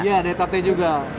iya dari teratai juga